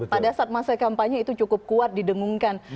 pada saat masa kampanye itu cukup kuat didengungkan